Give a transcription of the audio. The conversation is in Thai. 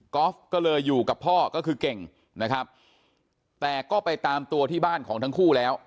อล์ฟก็เลยอยู่กับพ่อก็คือเก่งนะครับแต่ก็ไปตามตัวที่บ้านของทั้งคู่แล้ว